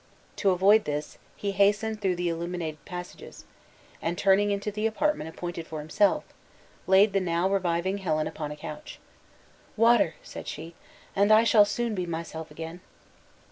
To avoid this, he hastened through the illuminated passages, and turning into the apartment appointed for himself, laid the now reviving Helen upon a couch. "Water," said she, "and I shall soon be myself again."